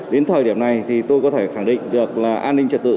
đến thời điểm này thì tôi có thể khẳng định được là an ninh trật tự